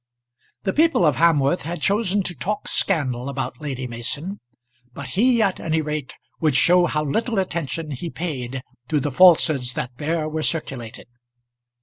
The people of Hamworth had chosen to talk scandal about Lady Mason, but he at any rate would show how little attention he paid to the falsehoods that there were circulated.